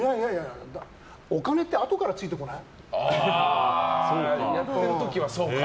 お金ってあとからついてこない？